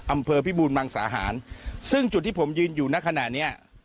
อำเภอพิบูรมังสาหารซึ่งจุดที่ผมยืนอยู่ในขณะเนี้ย